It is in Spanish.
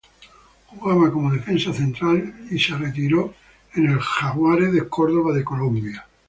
Jugaba como defensa central y se retiró en el Jaguares de Córdoba de Colombia.